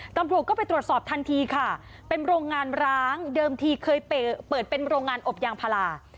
ตำรวจก็ไปตรวจสอบทันทีค่ะเป็นโรงงานร้างเดิมทีเคยเปิดเป็นโรงงานอบยางพารา